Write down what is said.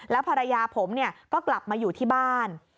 ภรรยาผมก็กลับมาอยู่ที่บ้าน